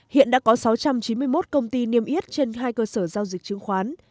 hiện đã có sáu trăm chín mươi một công ty niêm yết trên hai cơ sở giao dịch chứng khoán